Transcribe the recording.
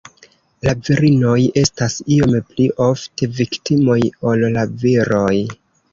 La virinoj estas iom pli ofte viktimoj ol la viroj.